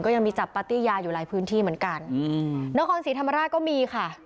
ยังมีจับปาร์ตี้ยาอยู่หลายพื้นที่เหมือนกันอืมนครศรีธรรมราชก็มีค่ะ